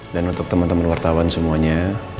dan untuk teman teman wartawan semuanya